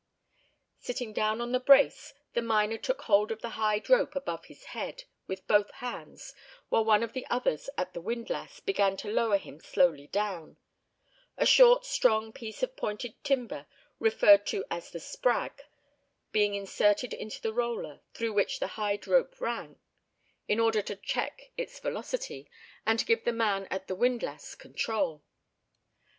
Sitting down on the "brace," the miner took hold of the hide rope above his head with both hands, while one of the others at the windlass began to lower him slowly down, a short strong piece of pointed timber, referred to as the "sprag," being inserted into the roller, through which the hide rope ran, in order to check its velocity, and give the man at the windlass control.